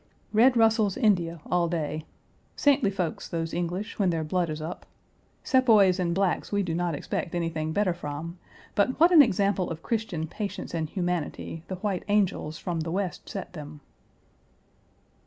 Read Russell's India all day. Saintly folks those English when their blood is up. Sepoys and blacks we do not expect anything better from, but what an example of Christian patience and humanity the white "angels" from the West set them.